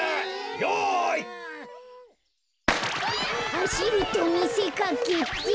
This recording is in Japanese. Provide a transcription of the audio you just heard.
はしるとみせかけて。